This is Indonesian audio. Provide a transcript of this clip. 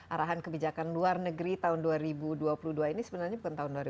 arahan kebijakan luar negeri tahun dua ribu dua puluh dua ini sebenarnya bukan tahun dua ribu dua puluh